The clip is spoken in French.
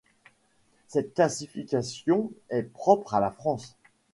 Cette classification est propre à la France.